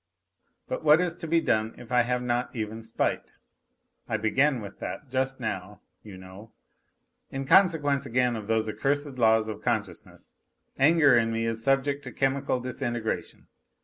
But what is to be done if I have not even spite (I began with that just now, you know). In consequence again of those accursed laws of con sciousness, anger in me is subject to chemical disintegration.